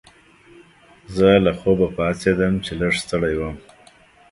زه له خوبه پاڅیدم چې لږ ستړی وم.